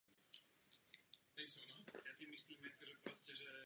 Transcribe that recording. Byl členem Labouristické strany a dlouholetým poslancem britského parlamentu.